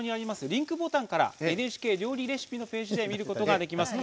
リンクボタンから「ＮＨＫ料理レシピ」のページで見ることができます。